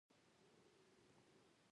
د سمنګان هنګ څنګه راټولیږي؟